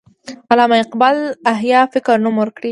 علامه اقبال احیای فکر نوم ورکړی.